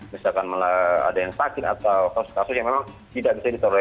misalkan ada yang sakit atau kasus kasus yang memang tidak bisa ditoroi